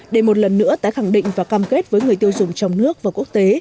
để một lần nữa tái khẳng định và cam kết với người tiêu dùng trong nước và quốc tế